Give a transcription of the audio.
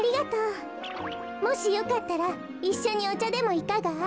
もしよかったらいっしょにおちゃでもいかが？